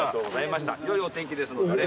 よいお天気ですのでね